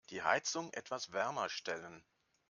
Die Heizung etwas wärmer stellen.